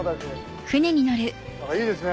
いいですね